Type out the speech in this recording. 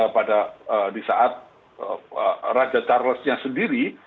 pada di saat raja charlesnya sendiri